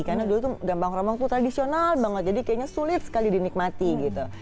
karena dulu tuh gambang kerombong tuh tradisional banget jadi kayaknya sulit sekali dinikmati gitu